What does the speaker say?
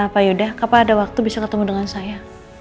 pak yudha kapan ada waktu bisa ketemu dengan saya